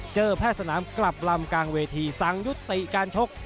แพทย์สนามกลับลำกลางเวทีสั่งยุติการชก